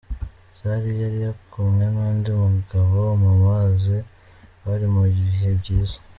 Zari yari kumwe n’undi mugabo mu mazi bari mu bihe byiza.